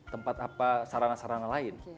tempat apa sarana sarana lain